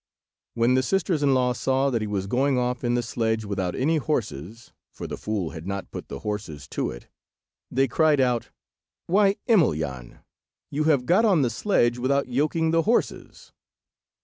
When the sisters in law saw that he was going off in the sledge without any horses, for the fool had not put the horses to it, they cried out— "Why, Emelyan, you have got on the sledge without yoking the horses!"